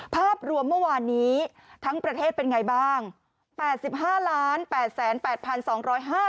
ภาพรวมเมื่อวานนี้ทั้งประเทศเป็นไงบ้าง